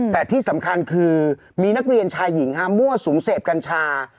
แต่ที่สำคัญคือมีนักเรียนชายหญิงมั่วสุมเสพกัญชา